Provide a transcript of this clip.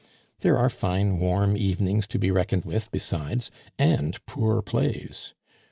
There are fine warm evenings to be reckoned with besides, and poor plays.